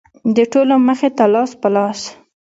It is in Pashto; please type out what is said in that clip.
د ټولو مخې ته لاس په لاس.